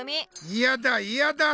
いやだいやだ